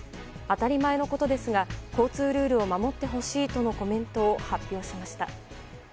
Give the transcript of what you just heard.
当たり前のことですが交通ルールを守ってほしいとのコメントを発表しました。